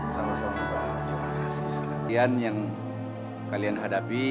kalian yang kalian hadapi